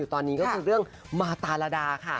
อยู่ตอนนี้ก็คือเรื่องมาตรารดา